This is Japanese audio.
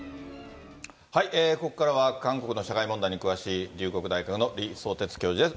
ここからは韓国の社会問題に詳しい、龍谷大学の李相哲教授です。